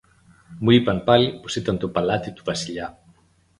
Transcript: Μου είπαν πάλι πως ήταν το παλάτι του Βασιλιά.